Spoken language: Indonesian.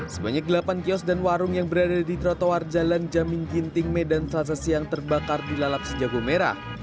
sebanyak delapan kios dan warung yang berada di trotoar jalan jamin ginting medan selasa siang terbakar di lalap sejago merah